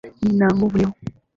Nina nguvu leo.